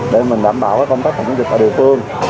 để mình đảm bảo công tác phòng chống dịch ở địa phương